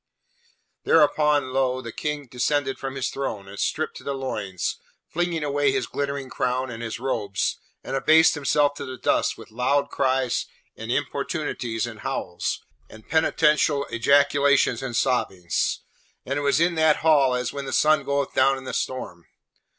Thereupon lo, the King descended from his throne, and stripped to the loins, flinging away his glittering crown and his robes, and abased himself to the dust with loud cries and importunities and howls, and penitential ejaculations and sobbings; and it was in that Hall as when the sun goeth down in storm.